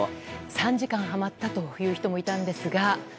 ３時間はまったという人もいたんですが。